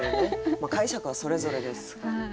まあ解釈はそれぞれですから。